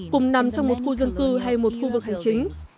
cùng nằm trong một khu dân cư hay một khu vực hành chính